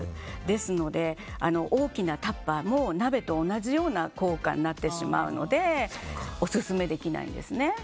ですので、大きなタッパーも鍋と同じような効果になってしまうのでオススメできないですね。